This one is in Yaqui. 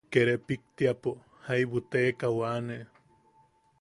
Kia repiktiapo jaibu teekau aane.